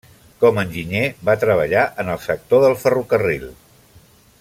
Com enginyer, va treballar en el sector del ferrocarril.